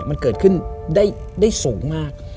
มันเกิดขึ้นได้สูงมาก